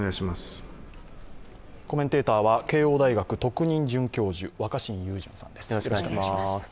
コメンテーターは慶応大学特任准教授、若新雄純さんです。